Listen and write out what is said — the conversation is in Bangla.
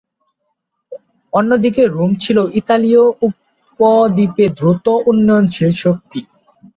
অন্যদিকে রোম ছিল ইতালীয় উপদ্বীপে দ্রুত উন্নয়নশীল শক্তি।